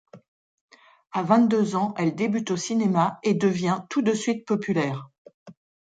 À vingt-deux ans elle débute au cinéma, et devient tout de suite populaire.